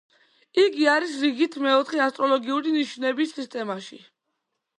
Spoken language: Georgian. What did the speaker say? იგი არის რიგით მეოთხე ასტროლოგიური ნიშნების სისტემაში.